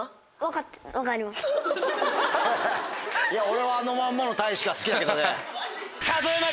俺はあのまんまのたいしが好きだけどね。